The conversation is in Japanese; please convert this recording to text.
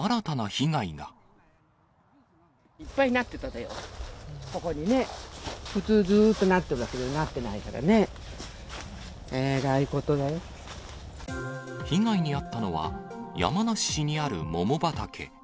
被害に遭ったのは、山梨市にある桃畑。